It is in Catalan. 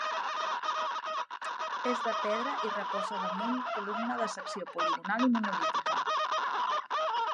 És de pedra i reposa damunt columna de secció poligonal i monolítica.